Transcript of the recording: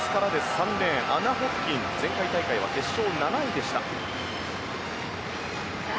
３レーン、アナ・ホプキン前回大会は決勝７位でした。